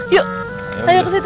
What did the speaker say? yuk ayo kesitu